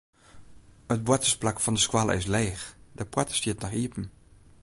It boartersplak fan de skoalle is leech, de poarte stiet noch iepen.